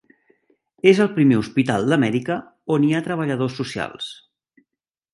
És el primer hospital d"Amèrica on hi ha treballadors socials.